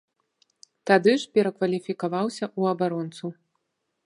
Тады ж перакваліфікаваўся ў абаронцу.